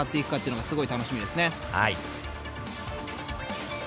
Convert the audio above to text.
はい。